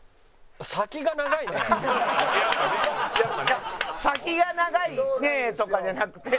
「先が長いね」とかじゃなくて。